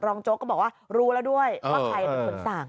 โจ๊กก็บอกว่ารู้แล้วด้วยว่าใครเป็นคนสั่ง